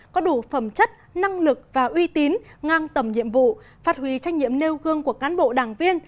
có đủ phẩm chất năng lực và uy tín ngang tầm nhiệm vụ phát huy trách nhiệm nêu gương của cán bộ đảng viên